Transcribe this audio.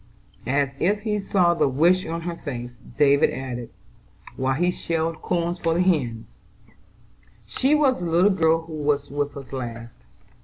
As if he saw the wish in her face, David added, while he shelled corn for the hens: "She was the little girl who was with us last.